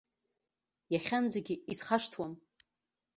Иахьанӡагьы исхашҭуам.